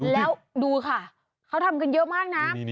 แล้วดูค่ะเขาทำกันเยอะมากนะ